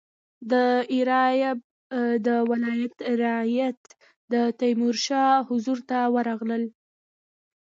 د ایریاب د ولایت رعیت د تیمور حضور ته ورغلل.